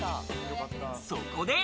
そこで。